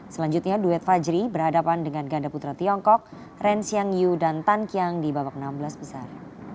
selanjutnya duet fajri berhadapan dengan ganda putra tiongkok ren xiang yu dan tan kiang di babak enam belas besar